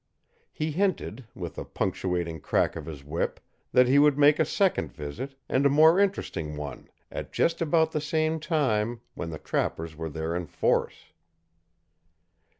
He hinted, with a punctuating crack of his whip, that he would make a second visit, and a more interesting one, at just about the time when the trappers were there in force.